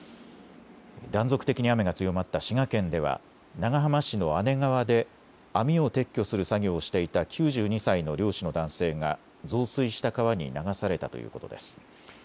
断続的に雨が強まった滋賀県では長浜市の姉川で網を撤去する作業をしていた９２歳の漁師の男性が増水した川に流されたということです。